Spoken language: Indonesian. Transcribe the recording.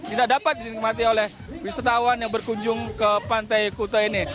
tidak dapat dinikmati oleh wisatawan yang berkunjung ke pantai kuta ini